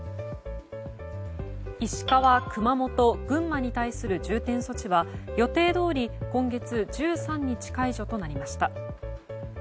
石川、熊本、群馬に対する重点措置は予定どおり今月１３日解除となりました。